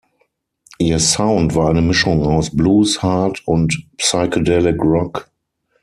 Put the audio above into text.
Ihr Sound war eine Mischung aus Blues, Hard- und Psychedelic-Rock.